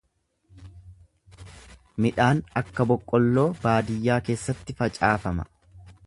Midhaan akka boqqolloo baadiyyaa keessatti facaafama.